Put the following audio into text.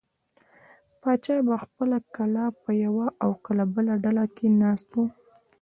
پاچا به پخپله کله په یوه او کله بله ډله کې ناست و.